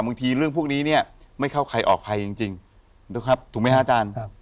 บางทีเรื่องพวกนี้เนี่ยไม่เข้าใครออกใครจริงนะครับถูกไหมฮะอาจารย์